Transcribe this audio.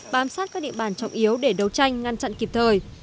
bám sát các địa bàn trọng yếu để đấu tranh ngăn chặn kịp thời